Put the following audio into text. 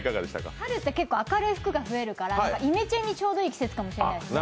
春って明るい服がはやるからイメチェンにちょうどいい季節かもしれないですね。